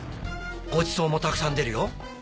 ごちそうもたくさん出るよ。